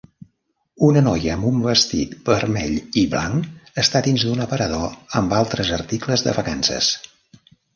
Una noia amb un vestit vermell i blanc està dins d'un aparador amb altres articles de vacances.